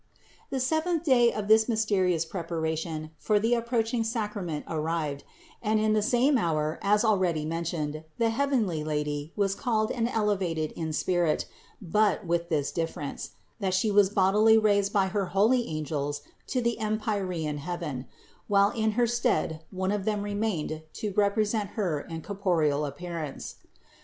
72. The seventh day of this mysterious preparation for the approaching sacrament arrived, and in the same hour as already mentioned, the heavenly Lady was called and elevated in spirit, but with this difference, that She was bodily raised by her holy angels to the empyrean heaven, while in her stead one of them remained to rep resent Her in corporeal appearance.